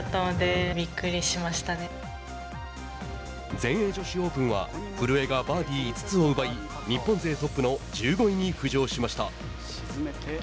全英女子オープンは古江がバーディー５つを奪い日本勢トップの１５位に浮上しました。